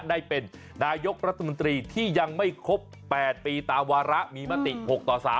ได้เป็นนายกรัฐมนตรีที่ยังไม่ครบ๘ปีตามวาระมีมติ๖ต่อ๓